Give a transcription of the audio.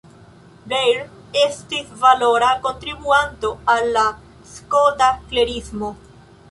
Blair estis valora kontribuanto al la skota klerismo.